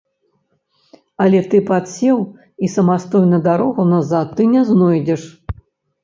Але ты падсеў, і самастойна дарогу назад ты не знойдзеш.